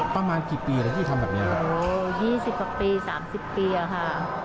ประมาณกี่ปีแล้วที่ทำแบบเนี้ยครับโอ้ยี่สิบกว่าปีสามสิบปีอ่ะค่ะ